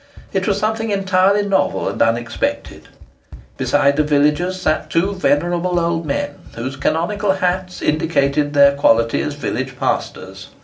It was something entirely novel and unexpected. Beside the villagers sat two venerable old men, whose canonical hats indicated their quality as village pastors.